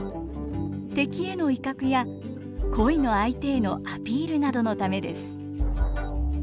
敵への威嚇や恋の相手へのアピールなどのためです。